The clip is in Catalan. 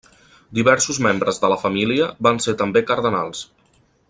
Diversos membres de la família van ser també cardenals.